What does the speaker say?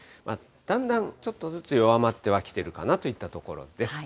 だんだんちょっとずつ弱まってはきてるかなといったところです。